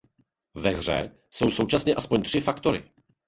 Ve hře jsou současně alespoň tři faktory.